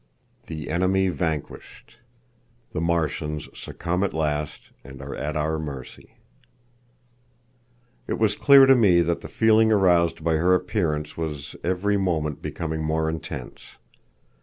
The Enemy Vanquished. The Martians Succumb at Last, and Are at Our Mercy. It was clear to me that the feeling aroused by her appearance was every moment becoming more intense.